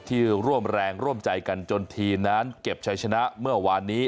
ที่ร่วมแรงร่วมใจกันจนทีมนั้นเก็บชัยชนะเมื่อวานนี้